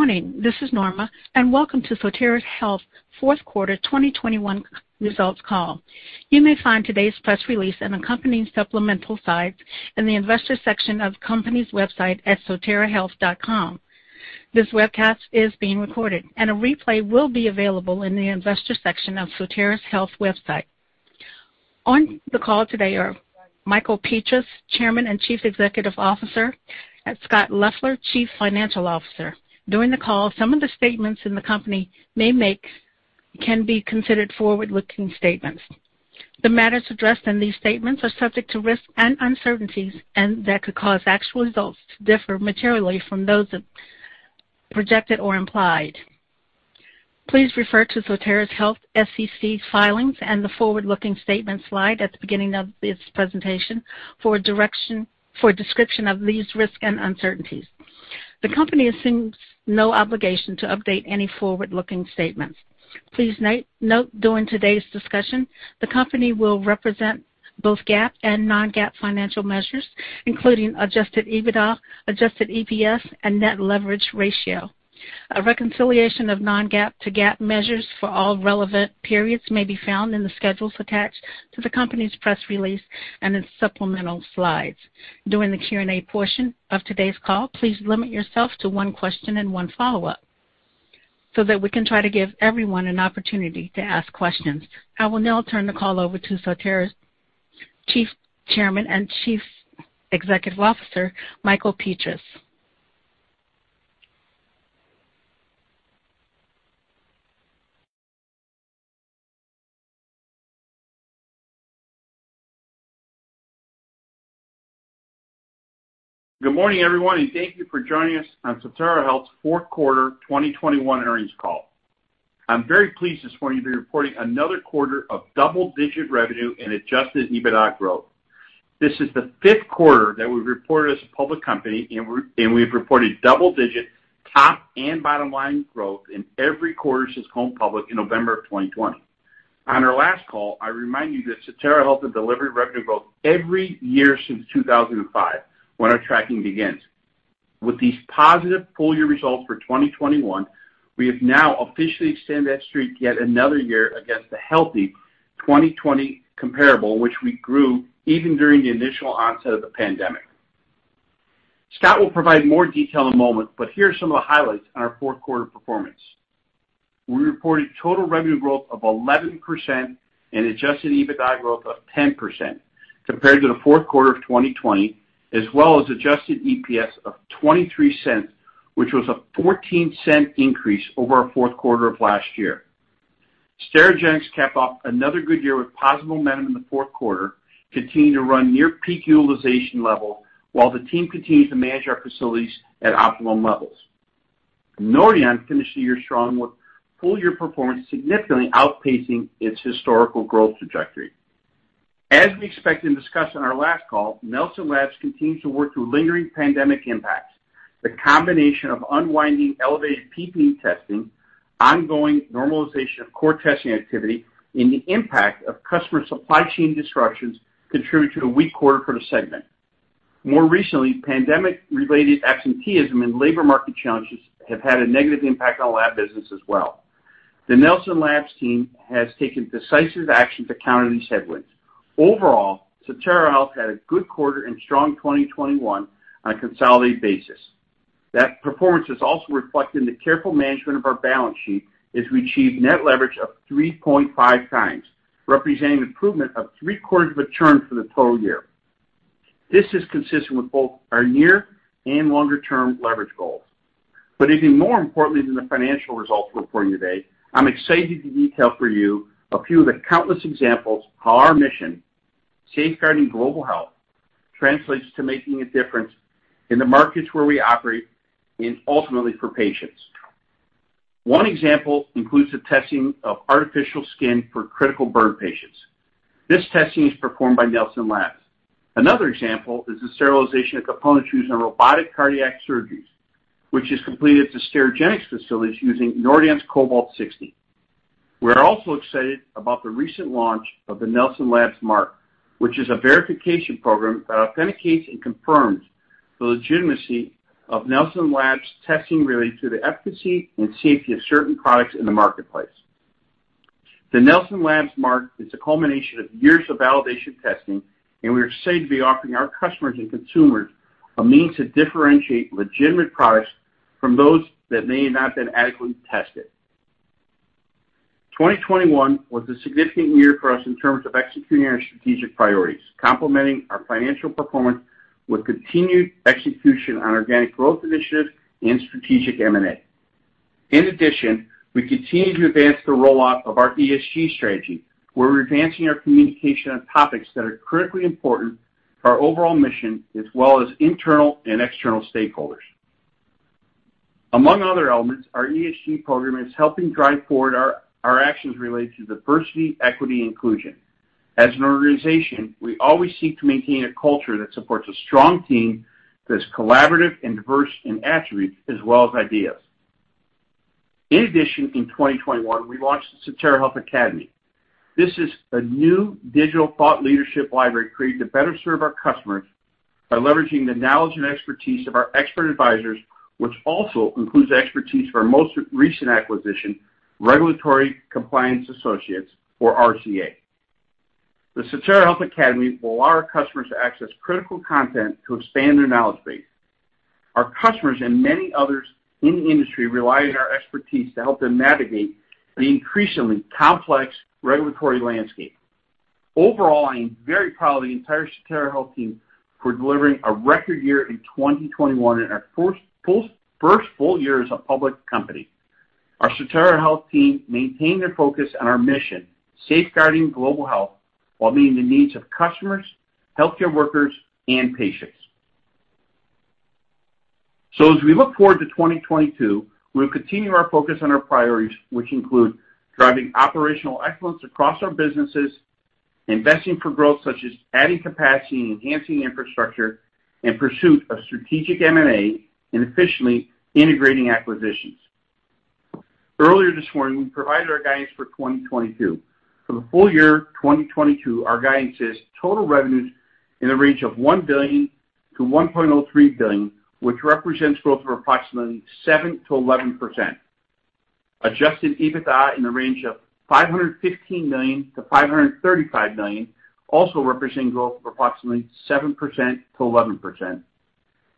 Good morning. This is Norma, and welcome to Sotera Health fourth quarter 2021 results call. You may find today's press release and accompanying supplemental slides in the investor section of the company's website at soterahealth.com. This webcast is being recorded, and a replay will be available in the investor section of Sotera Health's website. On the call today are Michael Petras, Chairman and Chief Executive Officer, and Scott Leffler, Chief Financial Officer. During the call, some of the statements that the company may make can be considered forward-looking statements. The matters addressed in these statements are subject to risks and uncertainties that could cause actual results to differ materially from those projected or implied. Please refer to Sotera Health SEC filings and the forward-looking statement slide at the beginning of this presentation for description of these risks and uncertainties. The company assumes no obligation to update any forward-looking statements. Please note, during today's discussion, the company will represent both GAAP and non-GAAP financial measures, including adjusted EBITDA, adjusted EPS, and net leverage ratio. A reconciliation of non-GAAP to GAAP measures for all relevant periods may be found in the schedules attached to the company's press release and its supplemental slides. During the Q&A portion of today's call, please limit yourself to one question and one follow-up so that we can try to give everyone an opportunity to ask questions. I will now turn the call over to Sotera's Chairman and Chief Executive Officer, Michael Petras. Good morning, everyone, and thank you for joining us on Sotera Health's fourth quarter 2021 earnings call. I'm very pleased this morning to be reporting another quarter of double-digit revenue and adjusted EBITDA growth. This is the fifth quarter that we've reported as a public company, and we've reported double-digit top and bottom line growth in every quarter since going public in November 2020. On our last call, I remind you that Sotera Health has delivered revenue growth every year since 2005 when our tracking begins. With these positive full-year results for 2021, we have now officially extend that streak yet another year against a healthy 2020 comparable, which we grew even during the initial onset of the pandemic. Scott will provide more detail in a moment, but here are some of the highlights on our fourth quarter performance. We reported total revenue growth of 11% and adjusted EBITDA growth of 10% compared to the fourth quarter of 2020, as well as adjusted EPS of $0.23, which was a $0.14 increase over our fourth quarter of last year. Sterigenics kept up another good year with positive momentum in the fourth quarter, continuing to run near peak utilization level while the team continues to manage our facilities at optimum levels. Nordion finished the year strong with full year performance significantly outpacing its historical growth trajectory. As we expected and discussed on our last call, Nelson Labs continues to work through lingering pandemic impacts. The combination of unwinding elevated PPE testing, ongoing normalization of core testing activity, and the impact of customer supply chain disruptions contribute to a weak quarter for the segment. More recently, pandemic related absenteeism and labor market challenges have had a negative impact on lab business as well. The Nelson Labs team has taken decisive action to counter these headwinds. Overall, Sotera Health had a good quarter and strong 2021 on a consolidated basis. That performance is also reflected in the careful management of our balance sheet as we achieve net leverage of 3.5x, representing improvement of three-quarters of a turn for the total year. This is consistent with both our near and longer-term leverage goals. Even more importantly than the financial results we're reporting today, I'm excited to detail for you a few of the countless examples how our mission, safeguarding global health, translates to making a difference in the markets where we operate and ultimately for patients. One example includes the testing of artificial skin for critical burn patients. This testing is performed by Nelson Labs. Another example is the sterilization of components used in robotic cardiac surgeries, which is completed at the Sterigenics facilities using Nordion's Cobalt-60. We're also excited about the recent launch of the Nelson Labs Mark, which is a verification program that authenticates and confirms the legitimacy of Nelson Labs testing related to the efficacy and safety of certain products in the marketplace. The Nelson Labs Mark is a culmination of years of validation testing, and we're excited to be offering our customers and consumers a means to differentiate legitimate products from those that may not have been adequately tested. 2021 was a significant year for us in terms of executing our strategic priorities, complementing our financial performance with continued execution on organic growth initiatives and strategic M&A. In addition, we continue to advance the rollout of our ESG strategy, where we're advancing our communication on topics that are critically important for our overall mission, as well as internal and external stakeholders. Among other elements, our ESG program is helping drive forward our actions related to diversity, equity, and inclusion. As an organization, we always seek to maintain a culture that supports a strong team that's collaborative and diverse in attributes as well as ideas. In addition, in 2021, we launched the Sotera Health Academy. This is a new digital thought leadership library created to better serve our customers by leveraging the knowledge and expertise of our expert advisors, which also includes expertise for our most recent acquisition, Regulatory Compliance Associates, or RCA. The Sotera Health Academy will allow our customers to access critical content to expand their knowledge base. Our customers and many others in the industry rely on our expertise to help them navigate the increasingly complex regulatory landscape. Overall, I am very proud of the entire Sotera Health team for delivering a record year in 2021 in our first full year as a public company. Our Sotera Health team maintained their focus on our mission, safeguarding global health while meeting the needs of customers, healthcare workers, and patients. As we look forward to 2022, we'll continue our focus on our priorities, which include driving operational excellence across our businesses, investing for growth, such as adding capacity and enhancing infrastructure, in pursuit of strategic M&A, and efficiently integrating acquisitions. Earlier this morning, we provided our guidance for 2022. For the full year 2022, our guidance is total revenues in the range of $1 billion-$1.03 billion, which represents growth of approximately 7%-11%. Adjusted EBITDA in the range of $515 million-$535 million, also representing growth of approximately 7%-11%.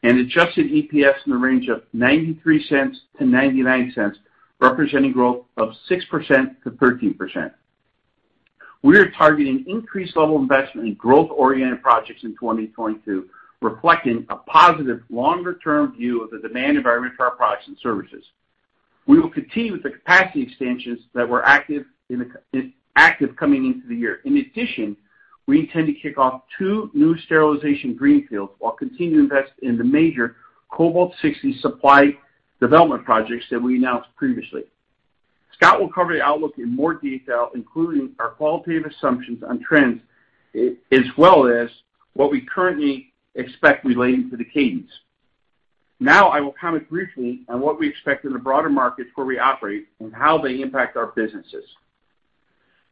Adjusted EPS in the range of $0.93-$0.99, representing growth of 6%-13%. We are targeting increased level investment in growth-oriented projects in 2022, reflecting a positive longer-term view of the demand environment for our products and services. We will continue with the capacity expansions that were active coming into the year. In addition, we intend to kick off two new sterilization greenfields, while continuing to invest in the major Cobalt-60 supply development projects that we announced previously. Scott will cover the outlook in more detail, including our qualitative assumptions on trends, as well as what we currently expect relating to the keys. Now I will comment briefly on what we expect in the broader markets where we operate and how they impact our businesses.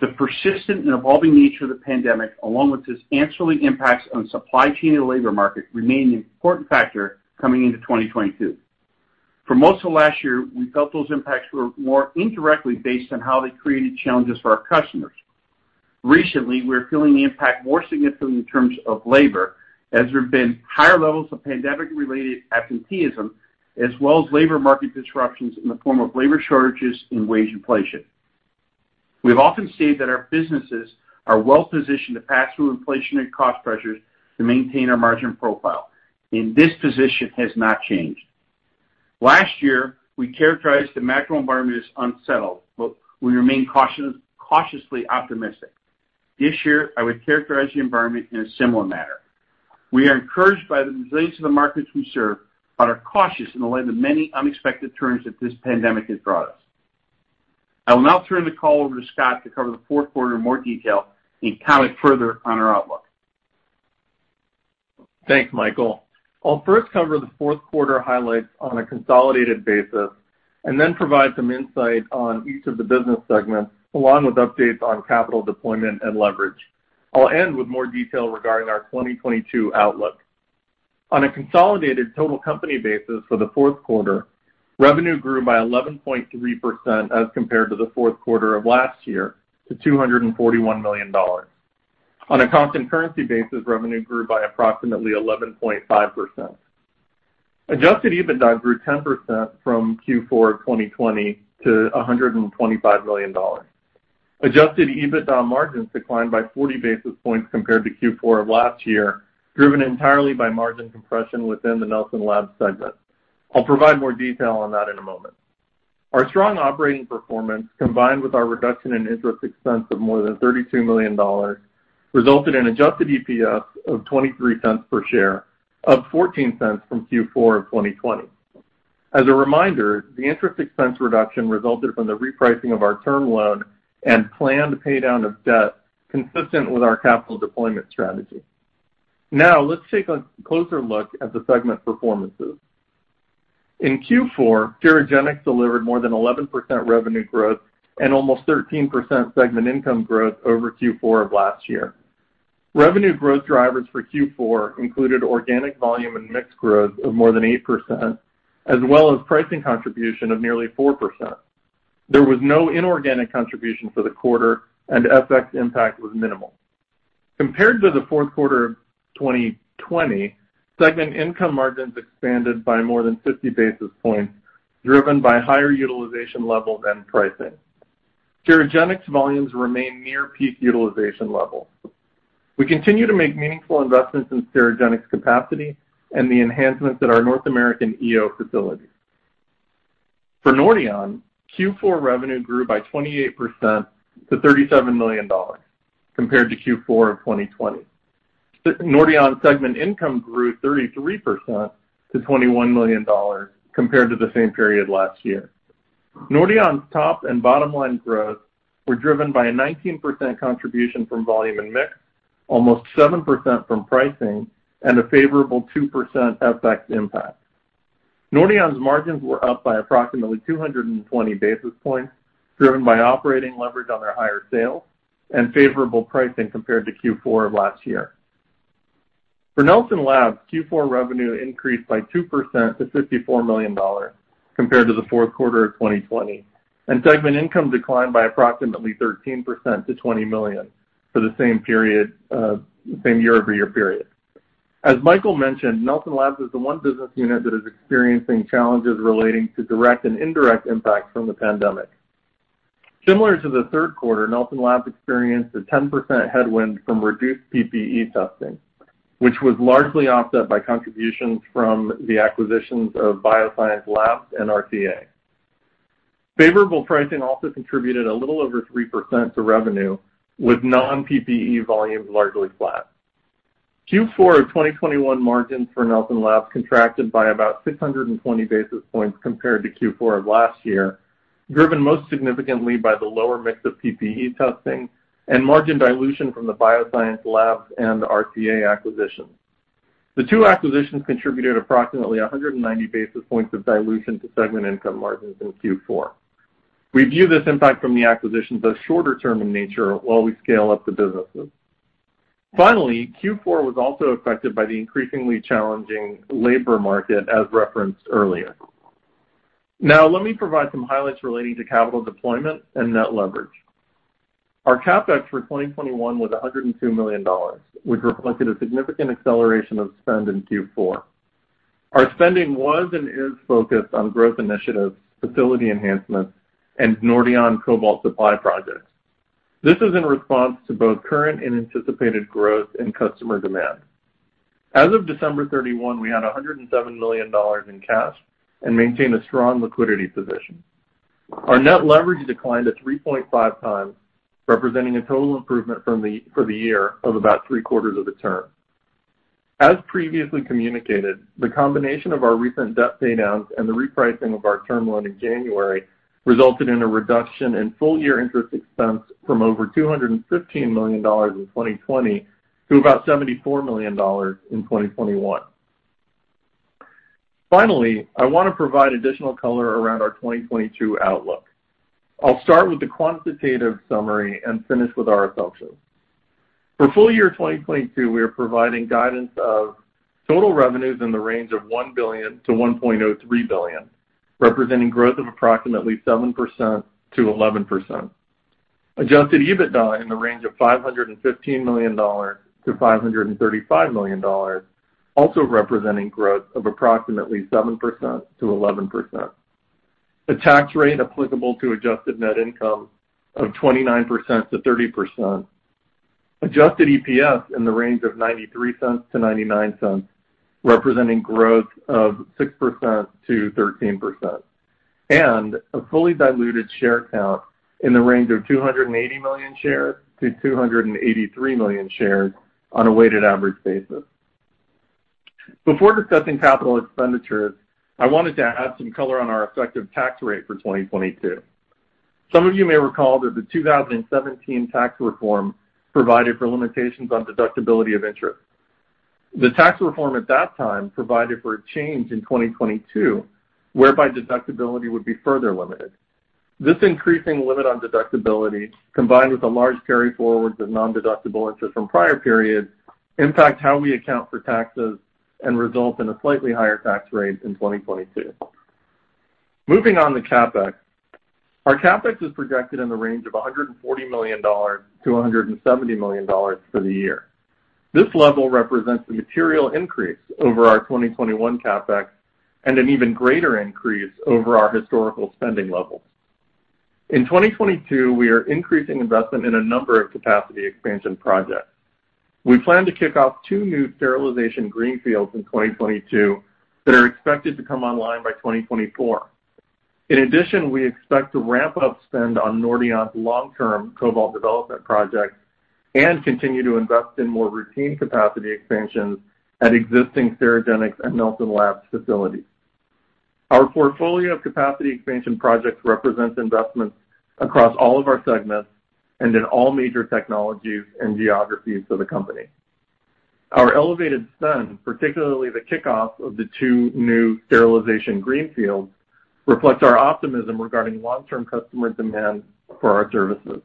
The persistent and evolving nature of the pandemic, along with its ancillary impacts on supply chain and labor market, remain an important factor coming into 2022. For most of last year, we felt those impacts were more indirectly based on how they created challenges for our customers. Recently, we're feeling the impact more significantly in terms of labor, as there have been higher levels of pandemic-related absenteeism, as well as labor market disruptions in the form of labor shortages and wage inflation. We've often stated that our businesses are well-positioned to pass through inflation and cost pressures to maintain our margin profile, and this position has not changed. Last year, we characterized the macro environment as unsettled, but we remain cautious, cautiously optimistic. This year, I would characterize the environment in a similar manner. We are encouraged by the resilience of the markets we serve, but are cautious in the light of many unexpected turns that this pandemic has brought us. I will now turn the call over to Scott to cover the fourth quarter in more detail and comment further on our outlook. Thanks, Michael. I'll first cover the fourth quarter highlights on a consolidated basis and then provide some insight on each of the business segments, along with updates on capital deployment and leverage. I'll end with more detail regarding our 2022 outlook. On a consolidated total company basis for the fourth quarter, revenue grew by 11.3% as compared to the fourth quarter of last year to $241 million. On a constant currency basis, revenue grew by approximately 11.5%. Adjusted EBITDA grew 10% from Q4 of 2020 to $125 million. Adjusted EBITDA margins declined by 40 basis points compared to Q4 of last year, driven entirely by margin compression within the Nelson Labs segment. I'll provide more detail on that in a moment. Our strong operating performance, combined with our reduction in interest expense of more than $32 million, resulted in adjusted EPS of $0.23 per share, up $0.14 from Q4 of 2020. As a reminder, the interest expense reduction resulted from the repricing of our term loan and planned pay-down of debt consistent with our capital deployment strategy. Now, let's take a closer look at the segment performances. In Q4, Sterigenics delivered more than 11% revenue growth and almost 13% segment income growth over Q4 of last year. Revenue growth drivers for Q4 included organic volume and mix growth of more than 8% as well as pricing contribution of nearly 4%. There was no inorganic contribution for the quarter, and FX impact was minimal. Compared to the fourth quarter of 2020, segment income margins expanded by more than 50 basis points, driven by higher utilization level than pricing. Sterigenics volumes remain near peak utilization levels. We continue to make meaningful investments in Sterigenics capacity and the enhancements at our North American EO facilities. For Nordion, Q4 revenue grew by 28% to $37 million compared to Q4 of 2020. Nordion segment income grew 33% to $21 million compared to the same period last year. Nordion's top and bottom line growth were driven by a 19% contribution from volume and mix. Almost 7% from pricing and a favorable 2% FX impact. Nordion's margins were up by approximately 220 basis points, driven by operating leverage on their higher sales and favorable pricing compared to Q4 of last year. For Nelson Labs, Q4 revenue increased by 2% to $54 million compared to the fourth quarter of 2020, and segment income declined by approximately 13% to $20 million for the same period, same year-over-year period. As Michael mentioned, Nelson Labs is the one business unit that is experiencing challenges relating to direct and indirect impacts from the pandemic. Similar to the third quarter, Nelson Labs experienced a 10% headwind from reduced PPE testing, which was largely offset by contributions from the acquisitions of BioScience Laboratories and RCA. Favorable pricing also contributed a little over 3% to revenue, with non-PPE volumes largely flat. Q4 of 2021 margins for Nelson Labs contracted by about 620 basis points compared to Q4 of last year, driven most significantly by the lower mix of PPE testing and margin dilution from the BioScience Laboratories and RCA acquisitions. The two acquisitions contributed approximately 190 basis points of dilution to segment income margins in Q4. We view this impact from the acquisitions as shorter term in nature while we scale up the businesses. Finally, Q4 was also affected by the increasingly challenging labor market, as referenced earlier. Now, let me provide some highlights relating to capital deployment and net leverage. Our CapEx for 2021 was $102 million, which reflected a significant acceleration of spend in Q4. Our spending was and is focused on growth initiatives, facility enhancements, and Nordion cobalt supply projects. This is in response to both current and anticipated growth in customer demand. As of December 31, we had $107 million in cash and maintain a strong liquidity position. Our net leverage declined to 3.5x, representing a total improvement for the year of about three-quarters of a turn. As previously communicated, the combination of our recent debt paydowns and the repricing of our term loan in January resulted in a reduction in full-year interest expense from over $215 million in 2020 to about $74 million in 2021. Finally, I wanna provide additional color around our 2022 outlook. I'll start with the quantitative summary and finish with our assumptions. For full year 2022, we are providing guidance of total revenues in the range of $1 billion-$1.03 billion, representing growth of approximately 7%-11%. Adjusted EBITDA in the range of $515 million-$535 million, also representing growth of approximately 7%-11%. A tax rate applicable to adjusted net income of 29%-30%. Adjusted EPS in the range of $0.93-$0.99, representing growth of 6%-13%. A fully diluted share count in the range of 280 million shares-283 million shares on a weighted average basis. Before discussing capital expenditures, I wanted to add some color on our effective tax rate for 2022. Some of you may recall that the 2017 tax reform provided for limitations on deductibility of interest. The tax reform at that time provided for a change in 2022 whereby deductibility would be further limited. This increasing limit on deductibility, combined with a large carry-forward of nondeductible interest from prior periods, impact how we account for taxes and result in a slightly higher tax rate in 2022. Moving on to CapEx. Our CapEx is projected in the range of $140 million-$170 million for the year. This level represents a material increase over our 2021 CapEx and an even greater increase over our historical spending levels. In 2022, we are increasing investment in a number of capacity expansion projects. We plan to kick off two new sterilization greenfields in 2022 that are expected to come online by 2024. In addition, we expect to ramp up spend on Nordion's long-term cobalt development projects and continue to invest in more routine capacity expansions at existing Sterigenics and Nelson Labs facilities. Our portfolio of capacity expansion projects represents investments across all of our segments and in all major technologies and geographies of the company. Our elevated spend, particularly the kickoff of the two new sterilization greenfields, reflects our optimism regarding long-term customer demand for our services.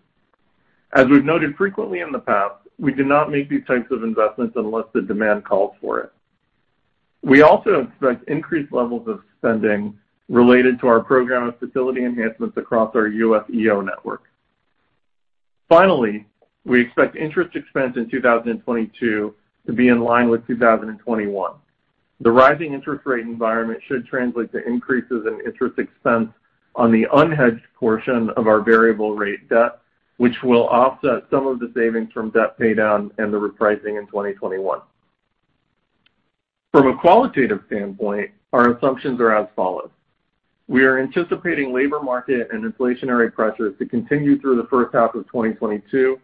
As we've noted frequently in the past, we do not make these types of investments unless the demand calls for it. We also expect increased levels of spending related to our program of facility enhancements across our U.S. EO network. Finally, we expect interest expense in 2022 to be in line with 2021. The rising interest rate environment should translate to increases in interest expense on the unhedged portion of our variable rate debt, which will offset some of the savings from debt paydown and the repricing in 2021. From a qualitative standpoint, our assumptions are as follows. We are anticipating labor market and inflationary pressures to continue through the first half of 2022,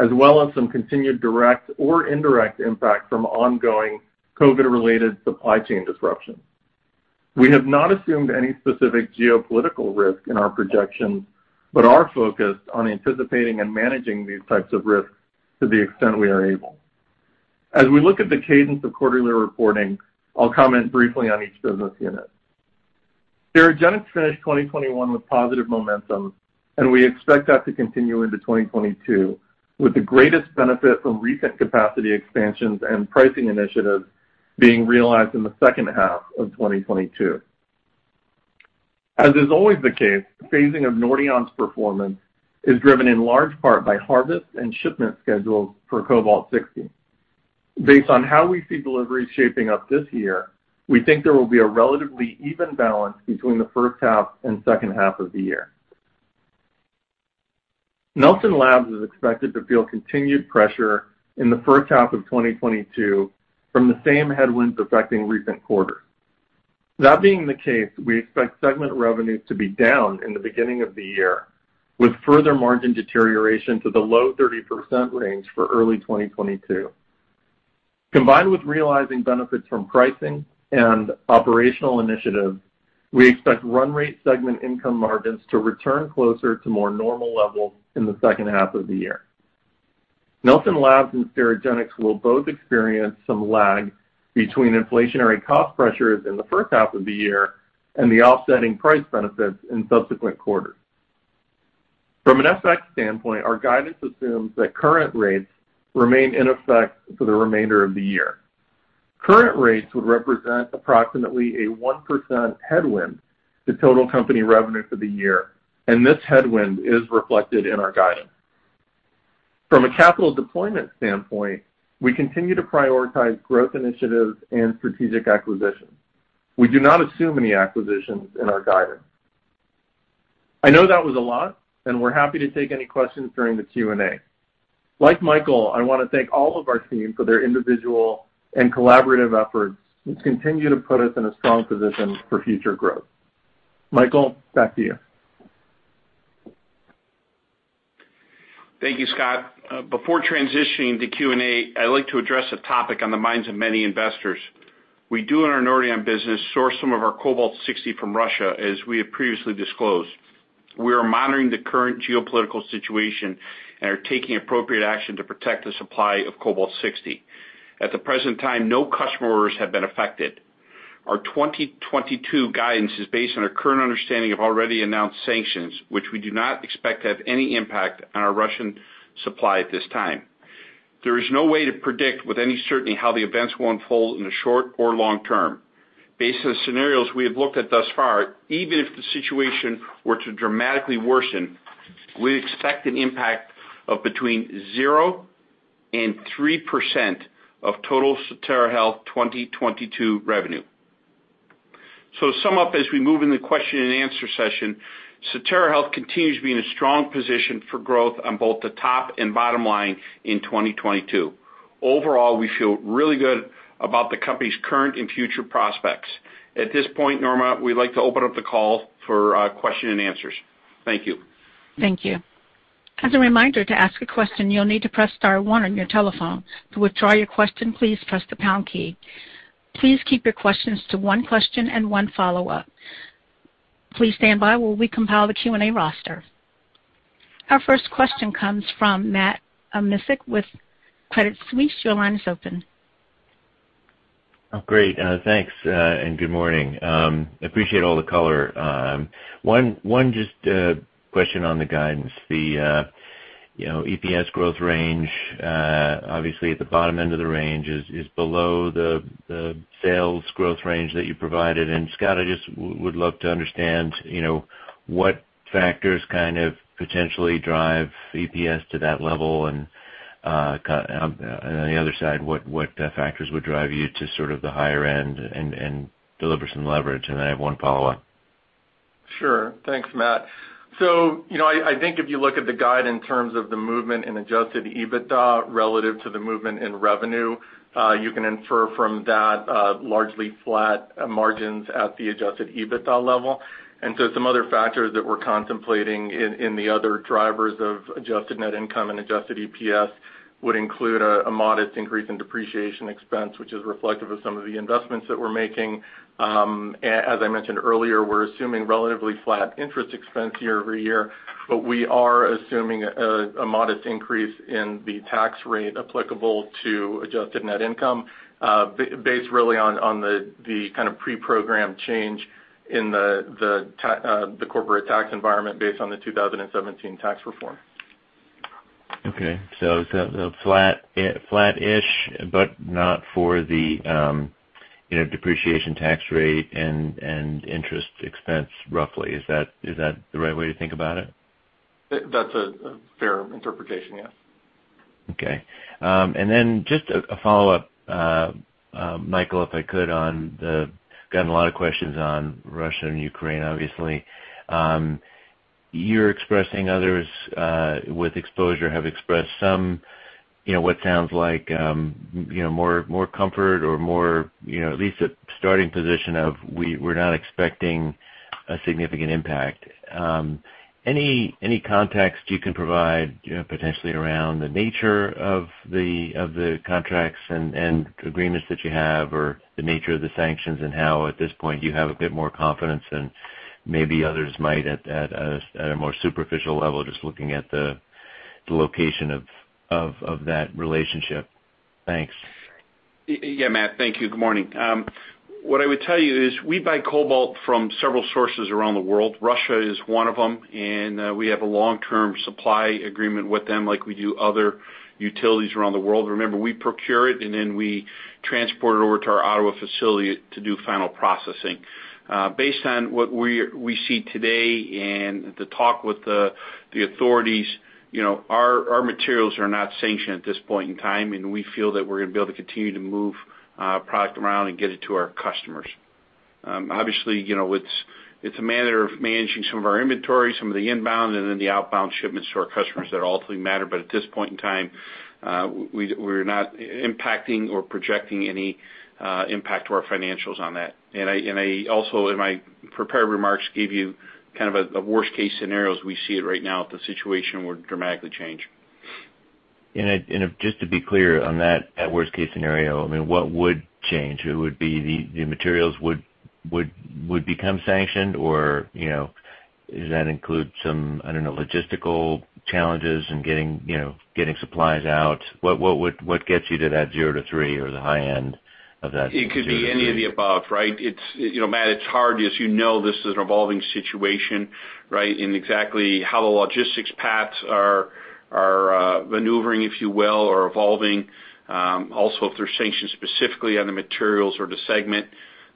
as well as some continued direct or indirect impact from ongoing COVID-related supply chain disruptions. We have not assumed any specific geopolitical risk in our projections, but are focused on anticipating and managing these types of risks to the extent we are able. As we look at the cadence of quarterly reporting, I'll comment briefly on each business unit. Sterigenics finished 2021 with positive momentum, and we expect that to continue into 2022, with the greatest benefit from recent capacity expansions and pricing initiatives being realized in the second half of 2022. As is always the case, phasing of Nordion's performance is driven in large part by harvest and shipment schedules for Cobalt-60. Based on how we see deliveries shaping up this year, we think there will be a relatively even balance between the first half and second half of the year. Nelson Labs is expected to feel continued pressure in the first half of 2022 from the same headwinds affecting recent quarters. That being the case, we expect segment revenues to be down in the beginning of the year, with further margin deterioration to the low 30% range for early 2022. Combined with realizing benefits from pricing and operational initiatives, we expect run rate segment income margins to return closer to more normal levels in the second half of the year. Nelson Labs and Sterigenics will both experience some lag between inflationary cost pressures in the first half of the year and the offsetting price benefits in subsequent quarters. From an FX standpoint, our guidance assumes that current rates remain in effect for the remainder of the year. Current rates would represent approximately a 1% headwind to total company revenue for the year, and this headwind is reflected in our guidance. From a capital deployment standpoint, we continue to prioritize growth initiatives and strategic acquisitions. We do not assume any acquisitions in our guidance. I know that was a lot, and we're happy to take any questions during the Q&A. Like Michael, I want to thank all of our team for their individual and collaborative efforts, which continue to put us in a strong position for future growth. Michael, back to you. Thank you, Scott. Before transitioning to Q&A, I'd like to address a topic on the minds of many investors. We do in our Nordion business source some of our Cobalt-60 from Russia, as we have previously disclosed. We are monitoring the current geopolitical situation and are taking appropriate action to protect the supply of Cobalt-60. At the present time, no customer orders have been affected. Our 2022 guidance is based on our current understanding of already announced sanctions, which we do not expect to have any impact on our Russian supply at this time. There is no way to predict with any certainty how the events will unfold in the short or long term. Based on the scenarios we have looked at thus far, even if the situation were to dramatically worsen, we expect an impact of between 0%-3% of total Sotera Health 2022 revenue. To sum up as we move in the question and answer session, Sotera Health continues to be in a strong position for growth on both the top and bottom line in 2022. Overall, we feel really good about the company's current and future prospects. At this point, Norma, we'd like to open up the call for question and answers. Thank you. As a reminder to ask a question, you'll need to press star one on your telephone. To withdraw your question, please press the pound key. Please keep your questions to one question and one follow-up. Please stand by while we compile the Q&A roster. Our first question comes from Matt Sykes with Goldman Sachs. Your line is open. Oh, great. Thanks, and good morning. Appreciate all the color. One just question on the guidance. The you know, EPS growth range, obviously at the bottom end of the range is below the sales growth range that you provided. Scott, I just would love to understand, you know, what factors kind of potentially drive EPS to that level and on the other side, what factors would drive you to sort of the higher end and deliver some leverage? I have one follow-up. Sure. Thanks, Matt. You know, I think if you look at the guide in terms of the movement in adjusted EBITDA relative to the movement in revenue, you can infer from that largely flat margins at the adjusted EBITDA level. Some other factors that we're contemplating in the other drivers of adjusted net income and adjusted EPS would include a modest increase in depreciation expense, which is reflective of some of the investments that we're making. As I mentioned earlier, we're assuming relatively flat interest expense year-over-year, but we are assuming a modest increase in the tax rate applicable to adjusted net income, based really on the kind of pre-programmed change in the corporate tax environment based on the 2017 tax reform. Okay. Flat-ish, but not for the, you know, depreciation tax rate and interest expense roughly. Is that the right way to think about it? That's a fair interpretation, yes. Okay. Just a follow-up, Michael, if I could gotten a lot of questions on Russia and Ukraine, obviously. You're expressing others with exposure have expressed some, you know, what sounds like, you know, more comfort or more, you know, at least a starting position of we're not expecting a significant impact. Any context you can provide, you know, potentially around the nature of the contracts and agreements that you have or the nature of the sanctions and how at this point you have a bit more confidence than maybe others might at a more superficial level, just looking at the location of that relationship? Thanks. Yeah, Matt. Thank you. Good morning. What I would tell you is we buy cobalt from several sources around the world. Russia is one of them, and we have a long-term supply agreement with them like we do other utilities around the world. Remember, we procure it and then we transport it over to our Ottawa facility to do final processing. Based on what we see today and the talk with the authorities, our materials are not sanctioned at this point in time, and we feel that we're gonna be able to continue to move product around and get it to our customers. Obviously, it's a matter of managing some of our inventory, some of the inbound and then the outbound shipments to our customers that ultimately matter. At this point in time, we're not impacting or projecting any impact to our financials on that. I also in my prepared remarks gave you kind of the worst case scenarios we see right now if the situation were dramatically change. Just to be clear on that worst case scenario, I mean, what would change? It would be the materials would become sanctioned or, you know, does that include some, I don't know, logistical challenges in getting, you know, getting supplies out? What gets you to that zero-three or the high end of that zero-three? It could be any of the above, right? It's you know, Matt, it's hard. As you know, this is an evolving situation, right? Exactly how the logistics paths are maneuvering, if you will, or evolving, also if they're sanctioned specifically on the materials or the segment,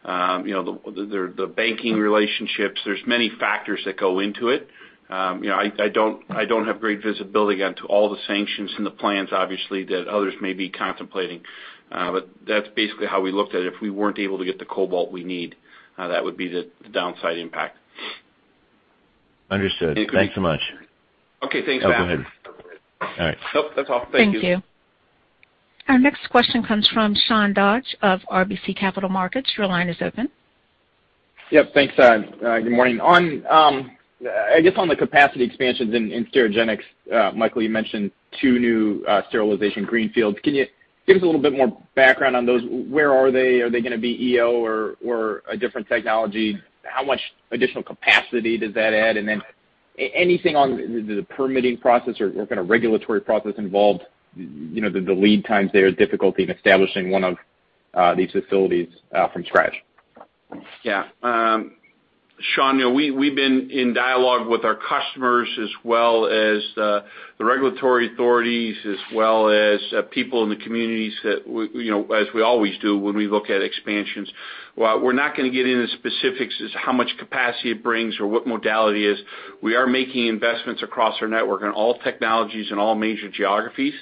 you know, the banking relationships. There's many factors that go into it. You know, I don't have great visibility onto all the sanctions and the plans, obviously, that others may be contemplating. That's basically how we looked at it. If we weren't able to get the cobalt we need, that would be the downside impact. Understood. And could. Thanks so much. Okay. Thanks, Matt. Oh, go ahead. All right. Nope. That's all. Thank you. Thank you. Our next question comes from Sean Dodge of RBC Capital Markets. Your line is open. Yep. Thanks, good morning. On, I guess on the capacity expansions in Sterigenics, Michael, you mentioned two new sterilization greenfields. Can you give us a little bit more background on those? Where are they? Are they gonna be EO or a different technology? How much additional capacity does that add? And then anything on the permitting process or kinda regulatory process involved, you know, the lead times there, difficulty in establishing one of these facilities from scratch? Yeah. Sean, you know, we've been in dialogue with our customers as well as the regulatory authorities, as well as people in the communities that we, you know, as we always do when we look at expansions. While we're not gonna get into specifics as to how much capacity it brings or what modality it is, we are making investments across our network on all technologies in all major geographies.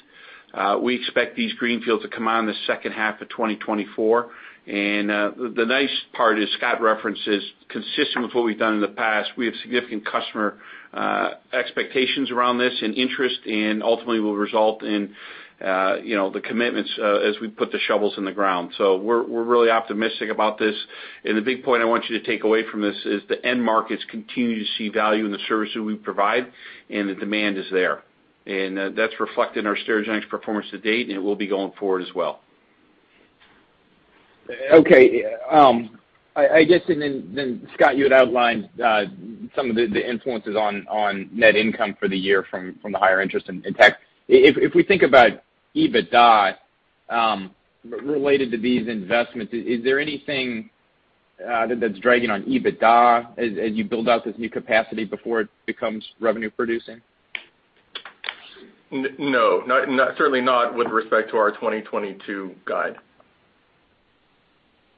We expect these greenfields to come on in the second half of 2024. The nice part, as Scott referenced, is consistent with what we've done in the past. We have significant customer expectations around this and interest, and ultimately will result in, you know, the commitments as we put the shovels in the ground. We're really optimistic about this. The big point I want you to take away from this is the end markets continue to see value in the services we provide, and the demand is there. That's reflected in our Sterigenics performance to date, and it will be going forward as well. Okay. I guess Scott, you had outlined some of the influences on net income for the year from the higher interest and debt. If we think about EBITDA related to these investments, is there anything that's dragging on EBITDA as you build out this new capacity before it becomes revenue producing? No. Certainly not with respect to our 2022 guide.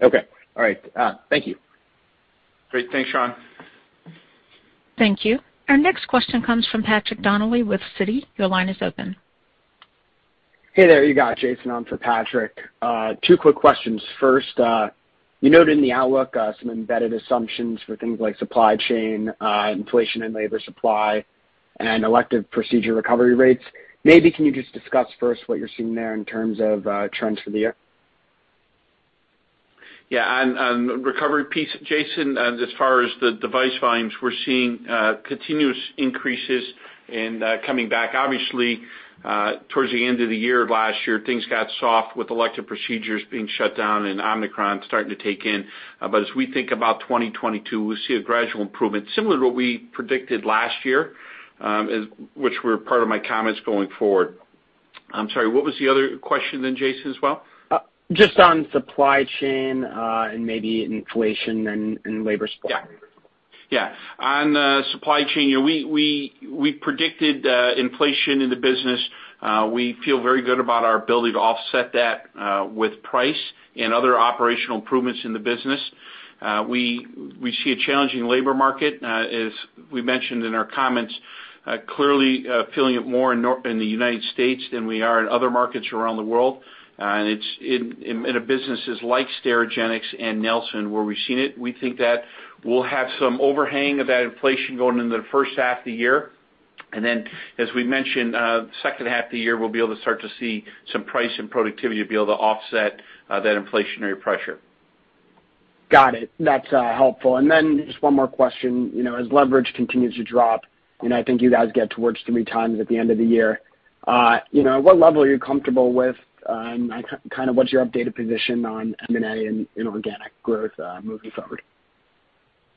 Okay. All right. Thank you. Great. Thanks, Sean. Thank you. Our next question comes from Patrick Donnelly with Citi. Your line is open. Hey there. You got Jason on for Patrick. Two quick questions. First, you noted in the outlook, some embedded assumptions for things like supply chain, inflation and labor supply and elective procedure recovery rates. Maybe can you just discuss first what you're seeing there in terms of, trends for the year? Yeah. On the recovery piece, Jason, as far as the device volumes, we're seeing continuous increases in coming back. Obviously, towards the end of the year last year, things got soft with elective procedures being shut down and Omicron starting to take in. As we think about 2022, we see a gradual improvement, similar to what we predicted last year, which were part of my comments going forward. I'm sorry, what was the other question then, Jason, as well? Just on supply chain, and maybe inflation and labor supply. Yeah. Yeah. On the supply chain, you know, we predicted inflation in the business. We feel very good about our ability to offset that with price and other operational improvements in the business. We see a challenging labor market, as we mentioned in our comments, clearly feeling it more in the United States than we are in other markets around the world. It's in businesses like Sterigenics and Nelson, where we've seen it. We think that we'll have some overhang of that inflation going into the first half of the year. Then as we mentioned, second half of the year, we'll be able to start to see some price and productivity to be able to offset that inflationary pressure. Got it. That's helpful. Then just one more question. You know, as leverage continues to drop, and I think you guys get towards three times at the end of the year, you know, what level are you comfortable with? Kind of what's your updated position on M&A and inorganic growth, moving forward?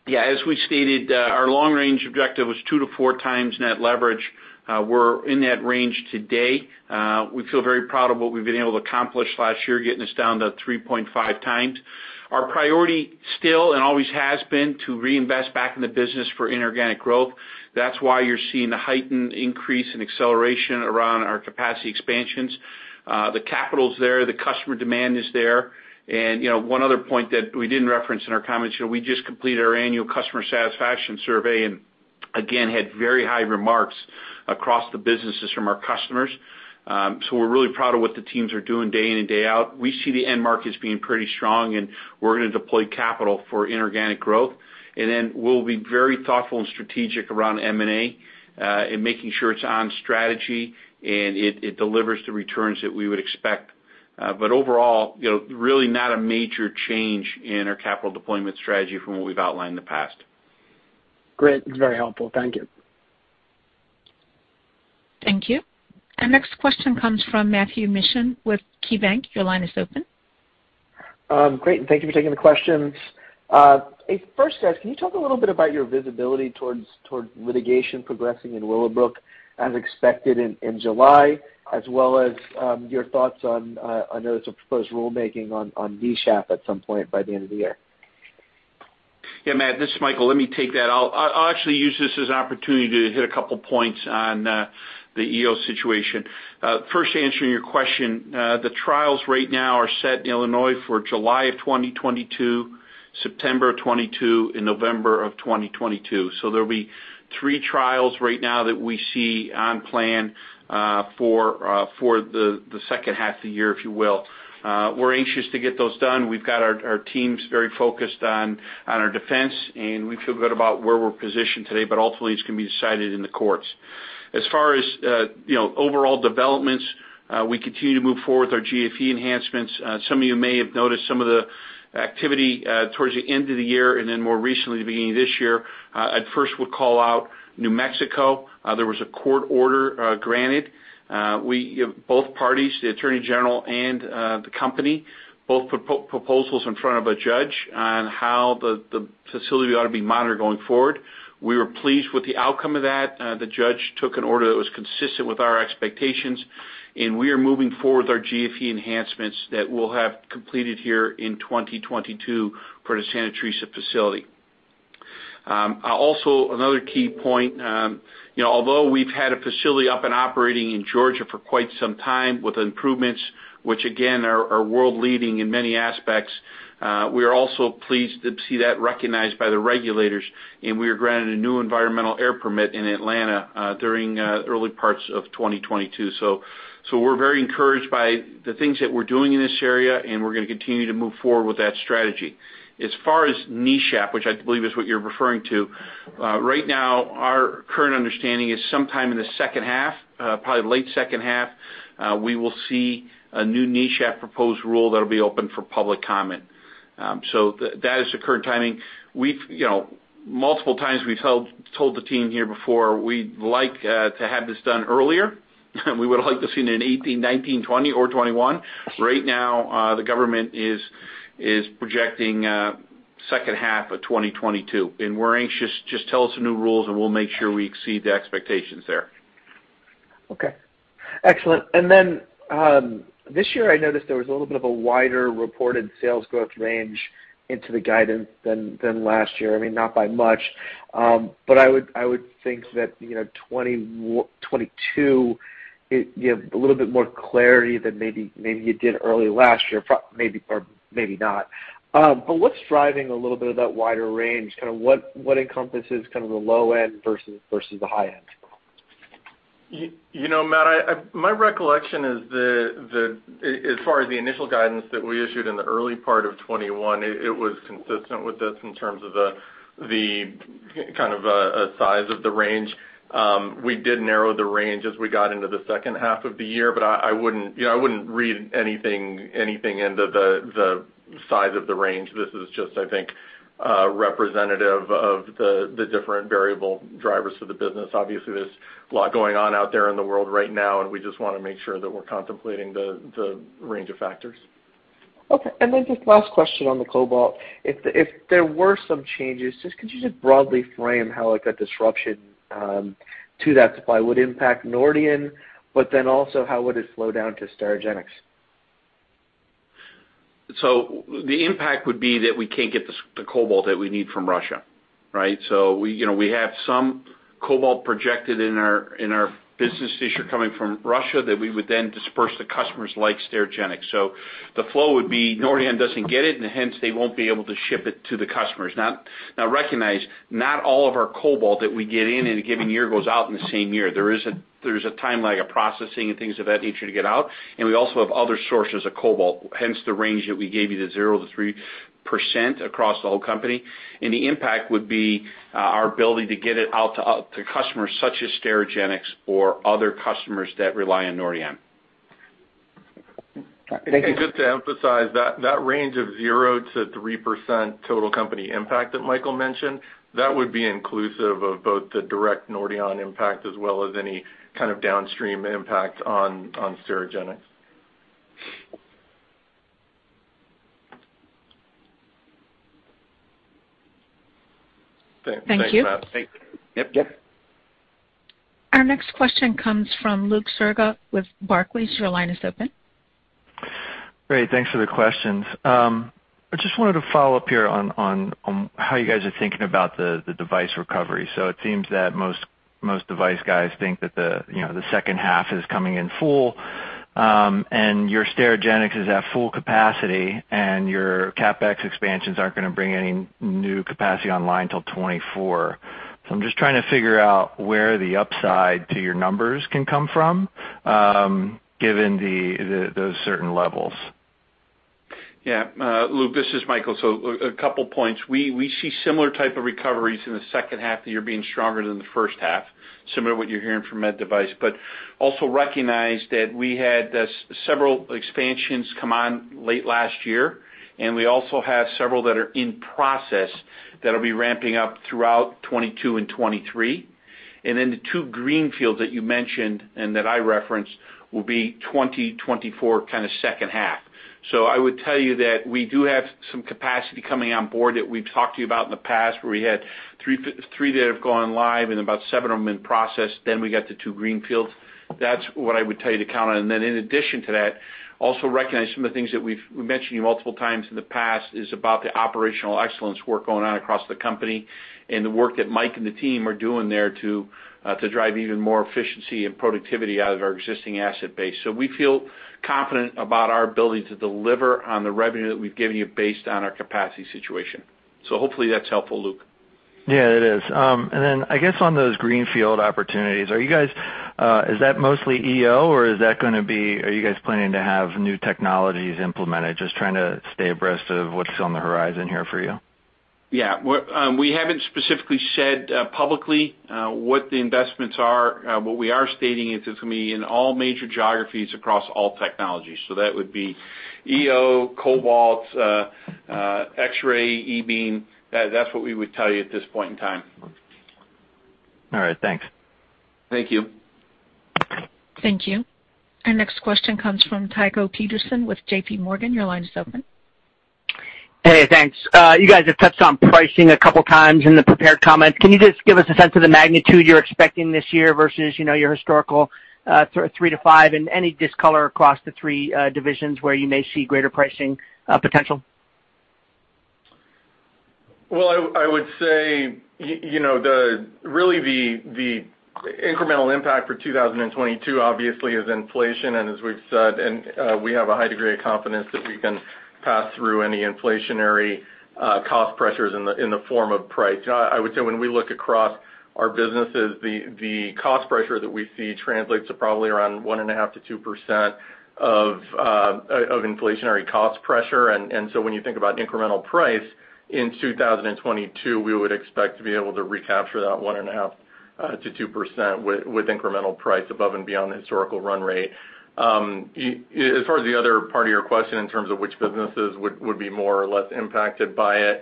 Yeah, as we stated, our long range objective was 2-4x net leverage. We're in that range today. We feel very proud of what we've been able to accomplish last year, getting us down to 3.5x. Our priority still, and always has been, to reinvest back in the business for inorganic growth. That's why you're seeing the heightened increase in acceleration around our capacity expansions. The capital's there, the customer demand is there. You know, one other point that we didn't reference in our comments here, we just completed our annual customer satisfaction survey, and again, had very high remarks across the businesses from our customers. So we're really proud of what the teams are doing day in and day out. We see the end markets being pretty strong, and we're gonna deploy capital for inorganic growth. We'll be very thoughtful and strategic around M&A, in making sure it's on strategy and it delivers the returns that we would expect. Overall, you know, really not a major change in our capital deployment strategy from what we've outlined in the past. Great. It's very helpful. Thank you. Thank you. Our next question comes from Matthew Mishan with KeyBanc. Your line is open. Great, thank you for taking the questions. First, guys, can you talk a little bit about your visibility towards litigation progressing in Willowbrook as expected in July, as well as your thoughts on. I know there's a proposed rulemaking on NESHAP at some point by the end of the year. Yeah, Matt, this is Michael. Let me take that. I'll actually use this as an opportunity to hit a couple points on the EO situation. First to answering your question, the trials right now are set in Illinois for July of 2022, September of 2022 and November of 2022. So there'll be three trials right now that we see on plan for the second half of the year, if you will. We're anxious to get those done. We've got our teams very focused on our defense, and we feel good about where we're positioned today. Ultimately, it's gonna be decided in the courts. As far as you know, overall developments, we continue to move forward with our GFE enhancements. Some of you may have noticed some of the activity towards the end of the year and then more recently, beginning of this year. At first, we'll call out New Mexico. There was a court order granted. Both parties, the attorney general and the company, both put proposals in front of a judge on how the facility ought to be monitored going forward. We were pleased with the outcome of that. The judge took an order that was consistent with our expectations, and we are moving forward with our GFE enhancements that we'll have completed here in 2022 for the Santa Teresa facility. Also another key point, you know, although we've had a facility up and operating in Georgia for quite some time with improvements, which again are world-leading in many aspects, we are also pleased to see that recognized by the regulators, and we were granted a new environmental air permit in Atlanta, during early parts of 2022. So we're very encouraged by the things that we're doing in this area, and we're gonna continue to move forward with that strategy. As far as NESHAP, which I believe is what you're referring to, right now our current understanding is sometime in the second half, probably late second half, we will see a new NESHAP proposed rule that'll be open for public comment. So that is the current timing. We've multiple times we've told the team here before, we'd like to have this done earlier. We would have liked to have seen it in 2018, 2019, 2020 or 2021. Right now, the government is projecting second half of 2022, and we're anxious. Just tell us the new rules, and we'll make sure we exceed the expectations there. Okay. Excellent. This year I noticed there was a little bit of a wider reported sales growth range into the guidance than last year. I mean, not by much. I would think that, you know, 2022, you have a little bit more clarity than maybe you did early last year, maybe or maybe not. What's driving a little bit of that wider range? Kind of what encompasses kind of the low end versus the high end? You know, Matt, my recollection is that as far as the initial guidance that we issued in the early part of 2021, it was consistent with this in terms of the kind of size of the range. We did narrow the range as we got into the second half of the year, but I wouldn't, you know, I wouldn't read anything into the size of the range. This is just, I think, representative of the different variable drivers for the business. Obviously, there's a lot going on out there in the world right now, and we just wanna make sure that we're contemplating the range of factors. Okay. Just last question on the cobalt. If there were some changes, just could you just broadly frame how, like, a disruption to that supply would impact Nordion, but then also how would it flow down to Sterigenics? The impact would be that we can't get the cobalt that we need from Russia, right? We, you know, we have some cobalt projected in our business this year coming from Russia that we would then disperse to customers like Sterigenics. The flow would be Nordion doesn't get it and hence they won't be able to ship it to the customers. Now recognize not all of our cobalt that we get in a given year goes out in the same year. There is a timeline of processing and things of that nature to get out, and we also have other sources of cobalt, hence the range that we gave you, the 0%-3% across the whole company. The impact would be our ability to get it out to customers such as Sterigenics or other customers that rely on Nordion. Just to emphasize that range of 0%-3% total company impact that Michael mentioned, that would be inclusive of both the direct Nordion impact as well as any kind of downstream impact on Sterigenics. Thank you. Thanks, Matt. Thanks. Yep. Yep. Our next question comes from Luke Sergott with Barclays. Your line is open. Great, thanks for the questions. I just wanted to follow up here on how you guys are thinking about the device recovery. It seems that most device guys think that you know, the second half is coming in full, and your Sterigenics is at full capacity, and your CapEx expansions aren't gonna bring any new capacity online till 2024. I'm just trying to figure out where the upside to your numbers can come from, given those certain levels. Yeah. Luke, this is Michael. A couple points. We see similar type of recoveries in the second half of the year being stronger than the first half, similar to what you're hearing from med device. Also recognize that we had several expansions come on late last year, and we also have several that are in process that'll be ramping up throughout 2022 and 2023. Then the two greenfields that you mentioned and that I referenced will be 2024 kinda second half. I would tell you that we do have some capacity coming on board that we've talked to you about in the past, where we had three that have gone live and about seven of them in process, then we got the two greenfields. That's what I would tell you to count on. In addition to that, also recognize some of the things that we've mentioned to you multiple times in the past is about the operational excellence work going on across the company and the work that Mike and the team are doing there to drive even more efficiency and productivity out of our existing asset base. We feel confident about our ability to deliver on the revenue that we've given you based on our capacity situation. Hopefully that's helpful, Luke. Yeah, it is. I guess on those greenfield opportunities, are you guys is that mostly EO, or is that gonna be, are you guys planning to have new technologies implemented? Just trying to stay abreast of what's on the horizon here for you. Yeah. We haven't specifically said publicly what the investments are. What we are stating is it's gonna be in all major geographies across all technologies. That would be EO, cobalt, X-ray, E-beam. That's what we would tell you at this point in time. All right, thanks. Thank you. Thank you. Our next question comes from Tycho Peterson with J.P. Morgan. Your line is open. Hey, thanks. You guys have touched on pricing a couple times in the prepared comments. Can you just give us a sense of the magnitude you're expecting this year versus, you know, your historical three-five, and any discoloration across the three divisions where you may see greater pricing potential? Well, I would say, you know, really the incremental impact for 2022 obviously is inflation. As we've said, we have a high degree of confidence that we can pass through any inflationary cost pressures in the form of price. I would say when we look across our businesses, the cost pressure that we see translates to probably around 1.5%-2% of inflationary cost pressure. So when you think about incremental price in 2022, we would expect to be able to recapture that 1.5%-2% with incremental price above and beyond the historical run rate. As far as the other part of your question in terms of which businesses would be more or less impacted by it,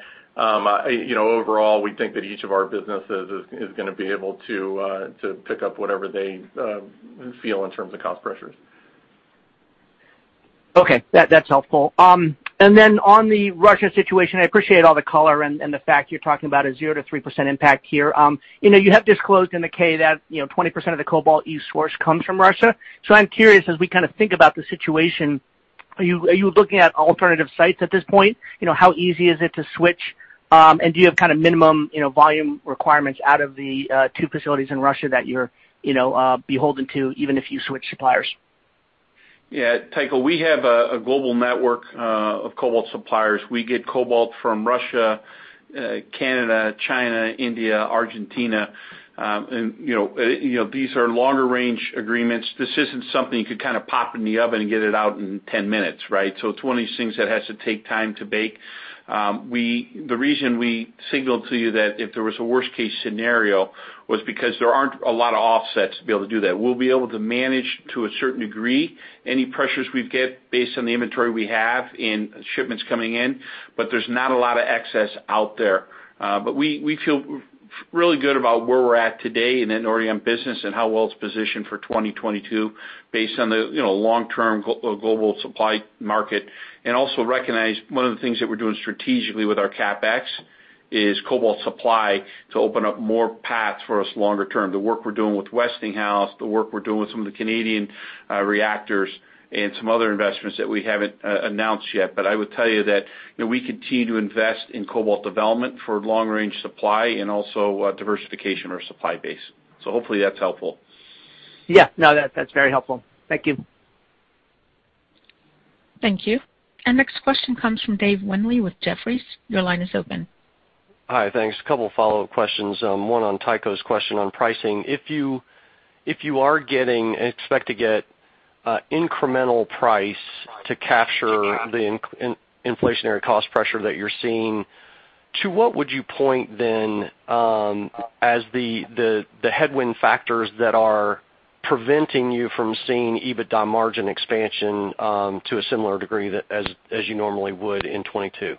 you know, overall, we think that each of our businesses is gonna be able to pick up whatever they feel in terms of cost pressures. Okay. That's helpful. And then on the Russia situation, I appreciate all the color and the fact you're talking about a 0%-3% impact here. You know, you have disclosed in the K that, you know, 20% of the Cobalt-60 source comes from Russia. So I'm curious, as we kind of think about the situation, are you looking at alternative sites at this point? You know, how easy is it to switch? And do you have kind of minimum, you know, volume requirements out of the two facilities in Russia that you're, you know, beholden to, even if you switch suppliers? Yeah, Tycho, we have a global network of cobalt suppliers. We get cobalt from Russia, Canada, China, India, Argentina, and, you know, these are longer range agreements. This isn't something you could kind of pop in the oven and get it out in 10 minutes, right? It's one of these things that has to take time to bake. The reason we signaled to you that if there was a worst case scenario was because there aren't a lot of offsets to be able to do that. We'll be able to manage to a certain degree any pressures we get based on the inventory we have and shipments coming in, but there's not a lot of excess out there. We feel really good about where we're at today in that Nordion business and how well it's positioned for 2022 based on the, you know, long-term global supply market. Also recognize one of the things that we're doing strategically with our CapEx is cobalt supply to open up more paths for us longer term, the work we're doing with Westinghouse, the work we're doing with some of the Canadian reactors and some other investments that we haven't announced yet. I would tell you that, you know, we continue to invest in cobalt development for long range supply and also diversification of our supply base. Hopefully that's helpful. Yeah. No, that's very helpful. Thank you. Thank you. Our next question comes from David Windley with Jefferies. Your line is open. Hi. Thanks. A couple follow-up questions, one on Tycho's question on pricing. If you are getting and expect to get incremental price to capture the inflationary cost pressure that you're seeing. To what would you point then, as the headwind factors that are preventing you from seeing EBITDA margin expansion, to a similar degree as you normally would in 2022?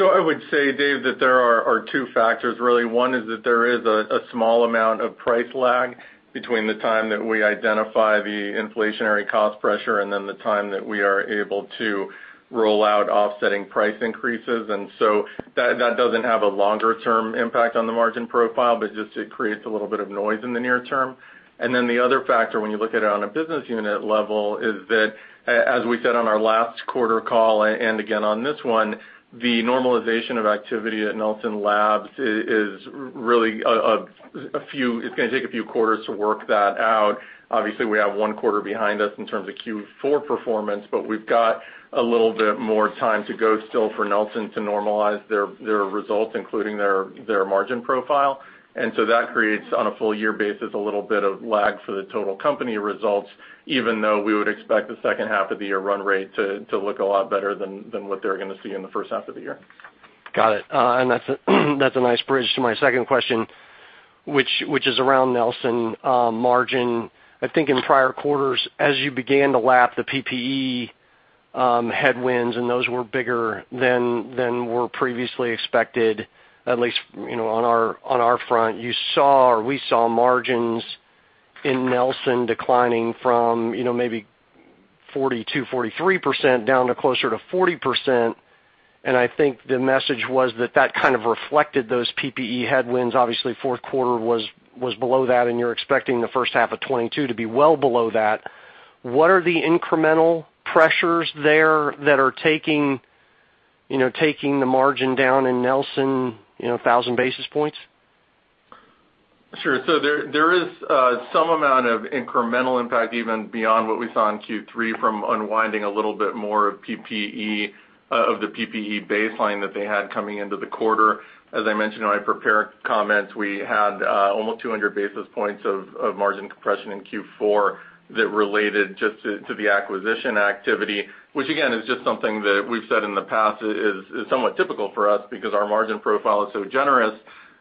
I would say, Dave, that there are two factors really. One is that there is a small amount of price lag between the time that we identify the inflationary cost pressure and then the time that we are able to roll out offsetting price increases. That doesn't have a longer term impact on the margin profile, but just it creates a little bit of noise in the near term. The other factor when you look at it on a business unit level is that as we said on our last quarter call and again on this one, the normalization of activity at Nelson Labs is really a few. It's gonna take a few quarters to work that out. Obviously, we have one quarter behind us in terms of Q4 performance, but we've got a little bit more time to go still for Nelson to normalize their results, including their margin profile. That creates, on a full year basis, a little bit of lag for the total company results, even though we would expect the second half of the year run rate to look a lot better than what they're gonna see in the first half of the year. Got it. That's a nice bridge to my second question, which is around Nelson margin. I think in prior quarters, as you began to lap the PPE headwinds, and those were bigger than were previously expected, at least, you know, on our front, you saw or we saw margins in Nelson declining from, you know, maybe 40%-43% down to closer to 40%. I think the message was that that kind of reflected those PPE headwinds. Obviously, fourth quarter was below that, and you're expecting the first half of 2022 to be well below that. What are the incremental pressures there that are taking the margin down in Nelson, you know, 1,000 basis points? Sure. There is some amount of incremental impact even beyond what we saw in Q3 from unwinding a little bit more of PPE, of the PPE baseline that they had coming into the quarter. As I mentioned in my prepared comments, we had almost 200 basis points of margin compression in Q4 that related just to the acquisition activity, which again, is just something that we've said in the past is somewhat typical for us because our margin profile is so generous,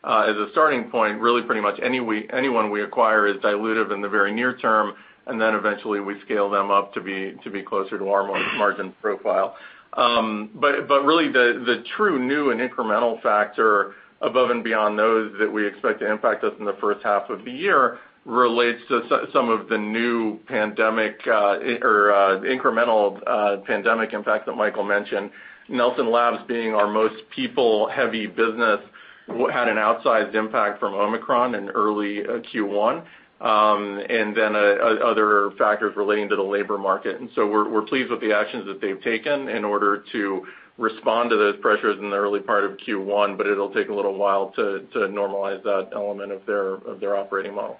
as a starting point, really pretty much any anyone we acquire is dilutive in the very near term, and then eventually we scale them up to be closer to our margin profile. Really the true new and incremental factor above and beyond those that we expect to impact us in the first half of the year relates to some of the new pandemic or incremental pandemic impact that Michael mentioned. Nelson Labs being our most people-heavy business had an outsized impact from Omicron in early Q1, and then other factors relating to the labor market. We're pleased with the actions that they've taken in order to respond to those pressures in the early part of Q1, but it'll take a little while to normalize that element of their operating model.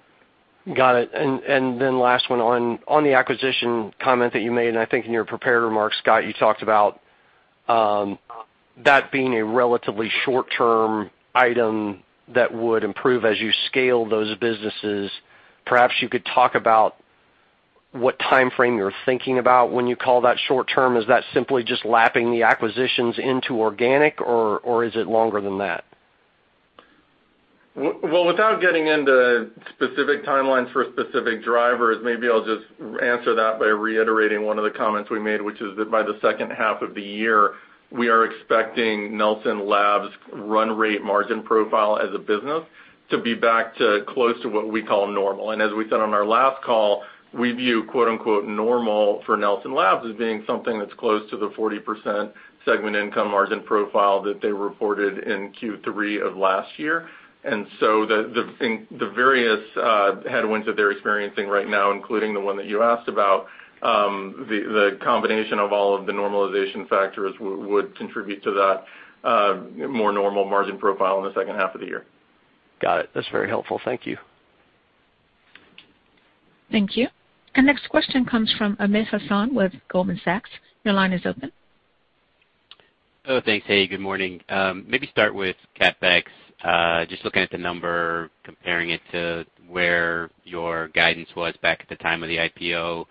Got it. Then last one. On the acquisition comment that you made, and I think in your prepared remarks, Scott, you talked about that being a relatively short term item that would improve as you scale those businesses. Perhaps you could talk about what timeframe you're thinking about when you call that short term. Is that simply just lapping the acquisitions into organic or is it longer than that? Well, without getting into specific timelines for specific drivers, maybe I'll just answer that by reiterating one of the comments we made, which is that by the second half of the year, we are expecting Nelson Labs run rate margin profile as a business to be back to close to what we call normal. As we said on our last call, we view quote, unquote, normal for Nelson Labs as being something that's close to the 40% segment income margin profile that they reported in Q3 of last year. The various headwinds that they're experiencing right now, including the one that you asked about, the combination of all of the normalization factors would contribute to that more normal margin profile in the second half of the year. Got it. That's very helpful. Thank you. Thank you. The next question comes from Asad Haider with Goldman Sachs. Your line is open. Oh, thanks. Hey, good morning. Maybe start with CapEx. Just looking at the number, comparing it to where your guidance was back at the time of the IPO,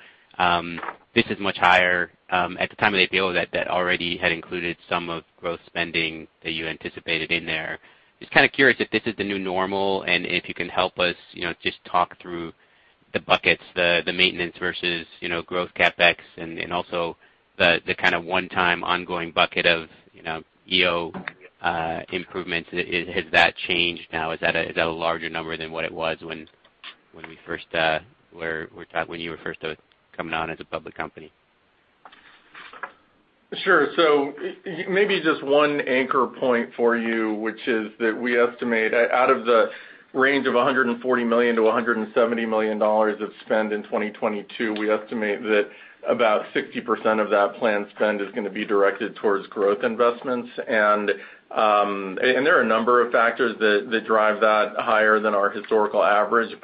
this is much higher at the time of the IPO that already had included some of growth spending that you anticipated in there. Just kinda curious if this is the new normal, and if you can help us, you know, just talk through the buckets, the maintenance versus, you know, growth CapEx and also the kinda one-time ongoing bucket of, you know, EO improvements. Has that changed now? Is that a larger number than what it was when you were first coming on as a public company? Sure. Maybe just one anchor point for you, which is that we estimate out of the range of $140 million-$170 million of spend in 2022, we estimate that about 60% of that planned spend is gonna be directed towards growth investments. There are a number of factors that drive that higher than our historical average.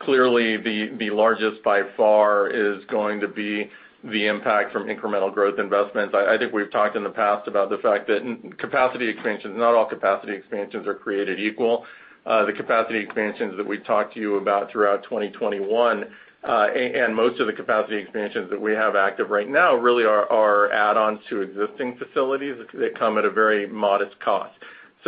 Clearly, the largest by far is going to be the impact from incremental growth investments. I think we've talked in the past about the fact that capacity expansions, not all capacity expansions are created equal. The capacity expansions that we talked to you about throughout 2021 and most of the capacity expansions that we have active right now really are add-ons to existing facilities. They come at a very modest cost.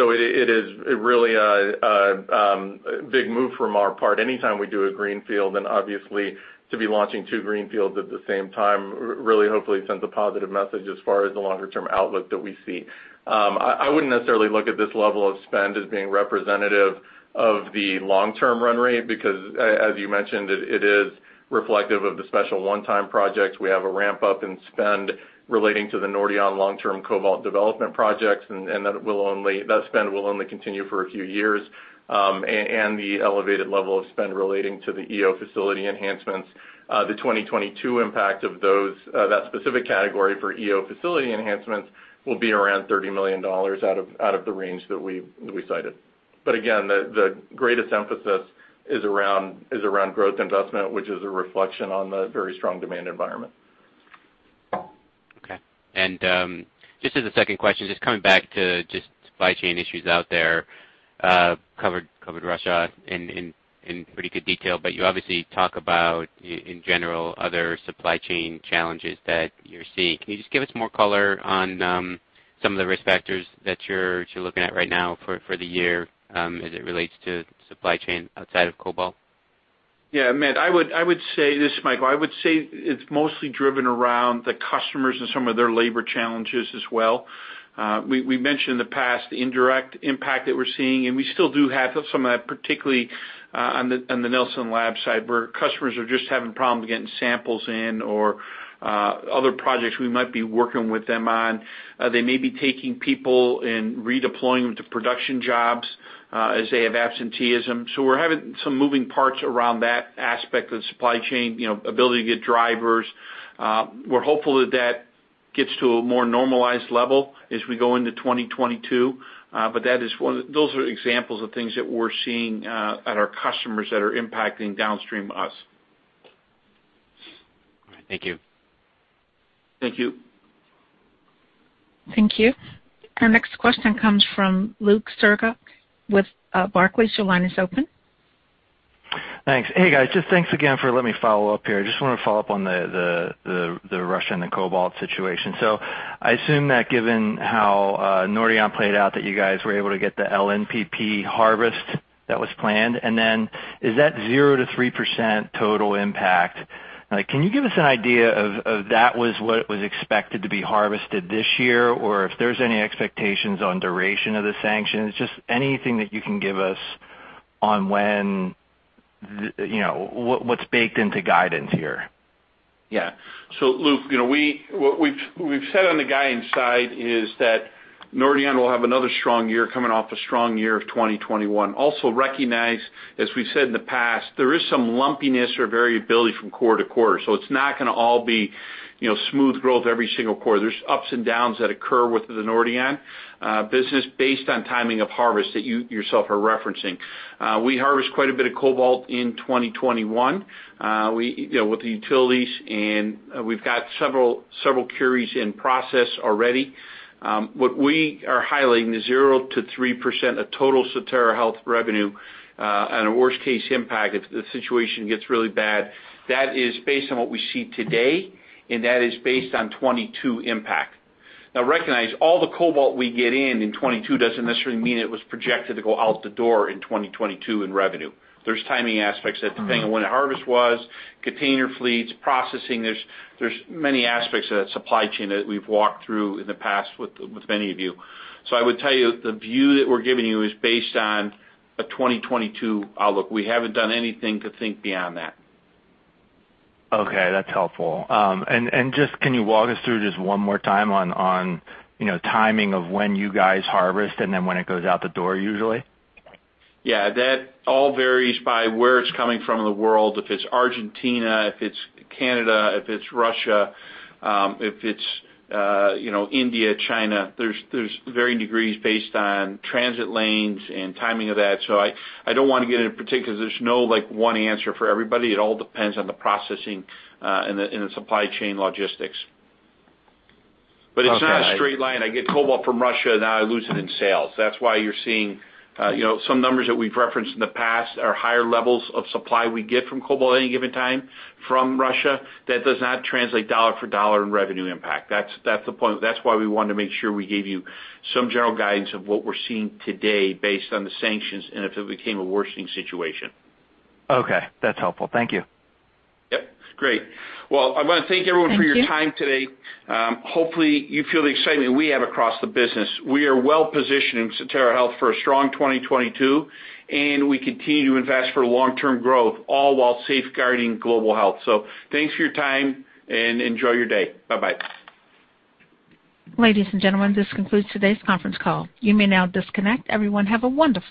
It is really a big move from our part anytime we do a greenfield. Obviously, to be launching two greenfields at the same time really hopefully sends a positive message as far as the longer-term outlook that we see. I wouldn't necessarily look at this level of spend as being representative of the long-term run rate because as you mentioned, it is reflective of the special one-time projects. We have a ramp-up in spend relating to the Nordion long-term cobalt development projects, and that spend will only continue for a few years, and the elevated level of spend relating to the EO facility enhancements. The 2022 impact of those, that specific category for EO facility enhancements will be around $30 million out of the range that we cited. Again, the greatest emphasis is around growth investment, which is a reflection on the very strong demand environment. Okay, just as a second question, just coming back to just supply chain issues out there, covered Russia in pretty good detail. But you obviously talk about in general, other supply chain challenges that you're seeing. Can you just give us more color on some of the risk factors that you're looking at right now for the year as it relates to supply chain outside of cobalt? Yeah, Matt, I would say this, Michael. I would say it's mostly driven around the customers and some of their labor challenges as well. We mentioned in the past the indirect impact that we're seeing, and we still do have some of that, particularly on the Nelson Labs side, where customers are just having problems getting samples in or other projects we might be working with them on. They may be taking people and redeploying them to production jobs as they have absenteeism. We're having some moving parts around that aspect of the supply chain, you know, ability to get drivers. We're hopeful that that gets to a more normalized level as we go into 2022, but those are examples of things that we're seeing at our customers that are impacting downstream us. All right. Thank you. Thank you. Thank you. Our next question comes from Luke Sergott with Barclays. Your line is open. Thanks. Hey, guys, just thanks again for letting me follow up here. I just wanna follow up on the Russia and the cobalt situation. I assume that given how Nordion played out, that you guys were able to get the LNPP harvest that was planned. Is that 0%-3% total impact? Like, can you give us an idea of what was expected to be harvested this year? Or if there's any expectations on duration of the sanctions, just anything that you can give us on when you know, what's baked into guidance here? Yeah. Luke, you know, what we've said on the guidance side is that Nordion will have another strong year coming off a strong year of 2021. Also recognize, as we've said in the past, there is some lumpiness or variability from quarter to quarter, so it's not gonna all be, you know, smooth growth every single quarter. There's ups and downs that occur with the Nordion business based on timing of harvest that you yourself are referencing. We harvest quite a bit of cobalt in 2021, you know, with the utilities and, we've got several curies in process already. What we are highlighting is 0%-3% of total Sotera Health revenue on a worst case impact if the situation gets really bad. That is based on what we see today, and that is based on 2022 impact. Now, recognize all the cobalt we get in 2022 doesn't necessarily mean it was projected to go out the door in 2022 in revenue. There's timing aspects depending on when the harvest was, container fleets, processing. There's many aspects of that supply chain that we've walked through in the past with many of you. I would tell you the view that we're giving you is based on a 2022 outlook. We haven't done anything to think beyond that. Okay, that's helpful. Just can you walk us through just one more time on you know, timing of when you guys harvest and then when it goes out the door usually? Yeah. That all varies by where it's coming from in the world. If it's Argentina, if it's Canada, if it's Russia, you know, India, China, there's varying degrees based on transit lanes and timing of that. So I don't wanna get into particulars. There's no, like, one answer for everybody. It all depends on the processing and the supply chain logistics. Okay. It's not a straight line. I get cobalt from Russia, now I lose it in sales. That's why you're seeing some numbers that we've referenced in the past are higher levels of supply we get from cobalt any given time from Russia. That does not translate dollar for dollar in revenue impact. That's the point. That's why we wanted to make sure we gave you some general guidance of what we're seeing today based on the sanctions and if it became a worsening situation. Okay, that's helpful. Thank you. Yep, great. Well, I wanna thank everyone for your time today. Hopefully you feel the excitement we have across the business. We are well positioned in Sotera Health for a strong 2022, and we continue to invest for long-term growth, all while safeguarding global health. Thanks for your time, and enjoy your day. Bye-bye. Ladies and gentlemen, this concludes today's conference call. You may now disconnect. Everyone, have a wonderful day.